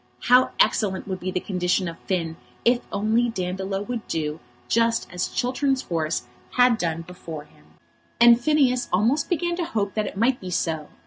How excellent would be the condition of Finn if only Dandolo would do just as Chiltern's horse had done before him! And Phineas almost began to hope that it might be so.